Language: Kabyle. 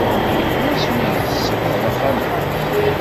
Yella wasmi ay tsebɣeḍ axxam-a?